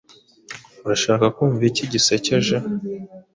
Urashaka kumva ikintu gisekeje?